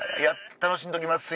楽しんどきます